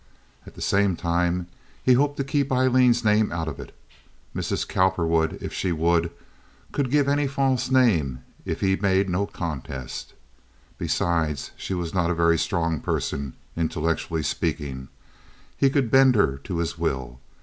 At the same time, he hoped to keep Aileen's name out of it. Mrs. Cowperwood, if she would, could give any false name if he made no contest. Besides, she was not a very strong person, intellectually speaking. He could bend her to his will.